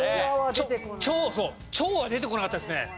そう「調」は出てこなかったですね。